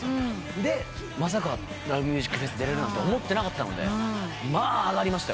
でまさか「ＬＯＶＥＭＵＳＩＣＦＥＳ」出られると思ってなかったのでまああがりましたよ。